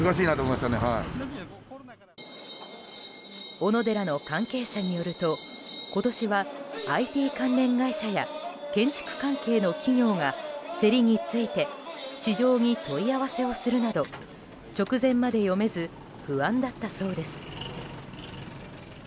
オノデラの関係者によると今年はＩＴ関連会社や建築関係の企業が競りについて市場に問い合わせをするなど直前まで読めず不安だったそうです。